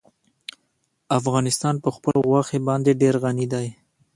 افغانستان په خپلو غوښې باندې ډېر غني دی.